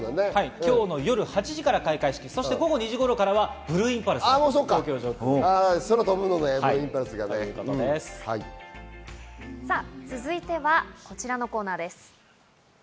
今日の夜８時から開会式、そして午後２時頃からはブルーインパルスが登場というこ続いてはこちらのコーナーです。